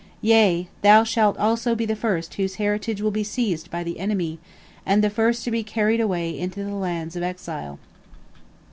Yea, thou shalt also be the first whose heritage will be seized by the enemy, and the first to be carried away into the lands of exile."